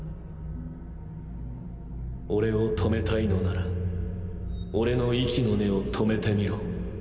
オレを止めたいのならオレの息の根を止めてみろ。